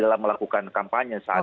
dalam melakukan kampanye saat